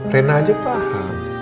rina aja paham